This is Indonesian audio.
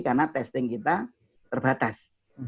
karena testing kita terbatas